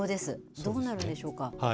どうなるんでしょうか。